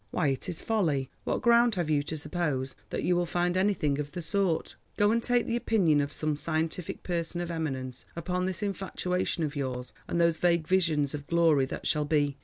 Why it is folly. What ground have you to suppose that you will find anything of the sort? Go and take the opinion of some scientific person of eminence upon this infatuation of yours and those vague visions of glory that shall be.